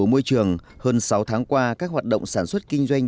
sự cố môi trường hơn sáu tháng qua các hoạt động sản xuất kinh doanh